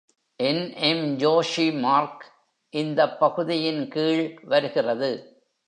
N. M. Joshi mark இந்தப் பகுதியின் கீழ் வருகிறது.